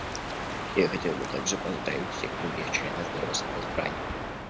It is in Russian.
Я хотел бы также поздравить всех других членов Бюро с их избранием.